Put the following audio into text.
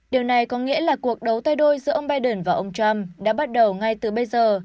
điều này có nghĩa là cuộc đấu tay đôi giữa ông biden và ông trump đã bắt đầu ngay từ bây giờ